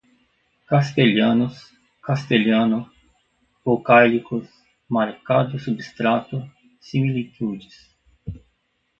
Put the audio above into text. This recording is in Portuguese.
castelhanos, castelhano, vocáilicos, marcado substrato, similitudes